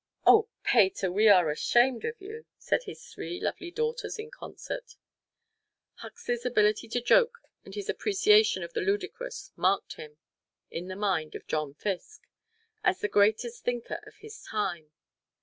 "Oh, Pater, we are ashamed of you," said his three lovely daughters in concert. Huxley's ability to joke and his appreciation of the ludicrous marked him, in the mind of John Fiske, as the greatest thinker of his time.